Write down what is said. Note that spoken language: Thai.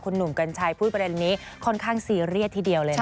หนุ่มกัญชัยพูดประเด็นนี้ค่อนข้างซีเรียสทีเดียวเลยนะ